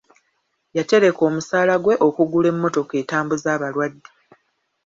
Yatereka omusaala gwe okugula emmotoka etambuza abalwadde.